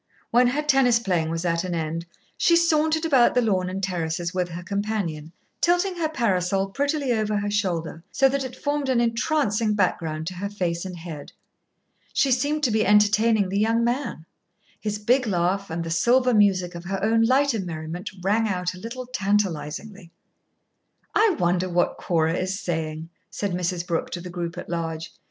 When her tennis playing was at an end, she sauntered about the lawn and terraces with her companion, tilting her parasol prettily over her shoulder, so that it formed an entrancing background to her face and head. She seemed to be entertaining the young man. His big laugh and the silver music of her own lighter merriment rang out a little tantalisingly. "I wonder what Cora is saying," said Mrs. Brooke to the group at large.